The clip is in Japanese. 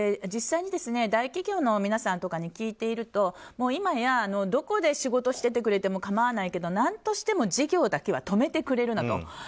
実際に大企業の方に聞いてみると今や、どこで仕事をしててくれても構わないけど何としても事業だけは止めてくれるなと。